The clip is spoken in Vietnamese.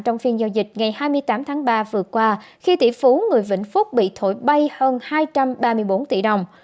trong phiên giao dịch ngày hai mươi tám tháng ba vừa qua khi tỷ phú người vĩnh phúc bị thổi bay hơn hai trăm ba mươi bốn tỷ đồng